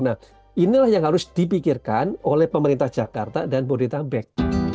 nah inilah yang harus dipikirkan oleh pemerintah jakarta dan bodetabek